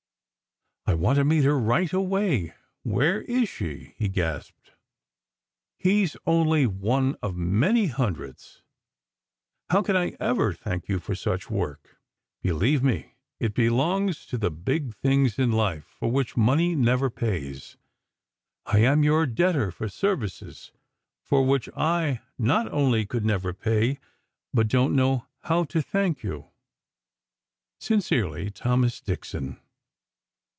"I want to meet her right away! Where is she?" he gasped. He's only one of many hundreds. How can I ever thank you for such work? Believe me it belongs to the big things in life for which money never pays. I am your debtor for services, for which I not only could never pay but don't know how to thank you.... Sincerely, THOMAS DIXON.